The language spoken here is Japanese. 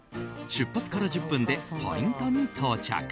出発から１０分でポイントに到着。